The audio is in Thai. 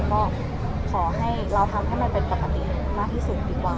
ก็ขอให้เราทำให้มันเป็นปกติมากที่สุดดีกว่า